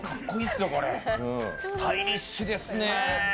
スタイリッシュですね。